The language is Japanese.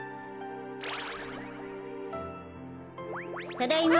ただいま。